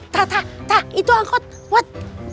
tak tak tak itu angkot wat